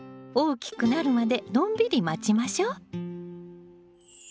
大きくなるまでのんびり待ちましょ。